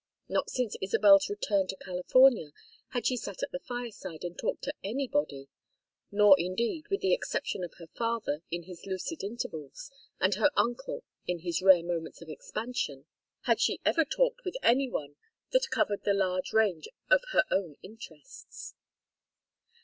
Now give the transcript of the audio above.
Not since Isabel's return to California had she sat at a fireside and talked to anybody; nor, indeed, with the exception of her father in his lucid intervals, and her uncle in his rare moments of expansion, had she ever talked with any one that covered the large range of her own interests.